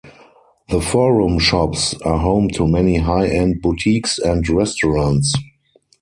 The Forum Shops are home to many high-end boutiques and restaurants.